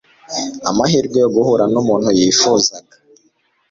amahirwe yo guhura n'umuntu yifuzaga